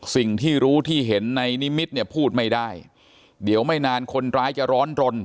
สิ่งที่รู้ที่เห็นในนิมิตรเนี่ยพูดไม่ได้เดี๋ยวไม่นานคนร้ายจะร้อนรน